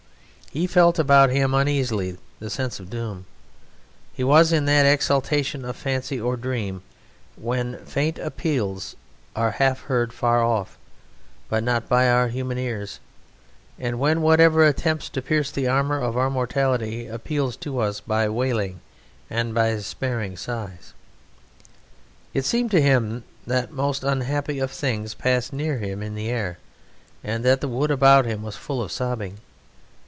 He felt about him uneasily the sense of doom. He was in that exaltation of fancy or dream when faint appeals are half heard far off, but not by our human ears, and when whatever attempts to pierce the armour of our mortality appeals to us by wailing and by despairing sighs. It seemed to him that most unhappy things passed near him in the air, and that the wood about him was full of sobbing.